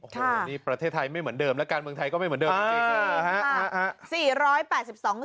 โอ้โหนี่ประเทศไทยไม่เหมือนเดิมและการเมืองไทยก็ไม่เหมือนเดิมจริง